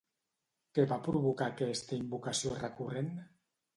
Què va provocar aquesta invocació recurrent?